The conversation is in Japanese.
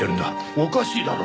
おかしいだろう。